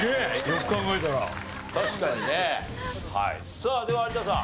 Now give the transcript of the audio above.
さあでは有田さん。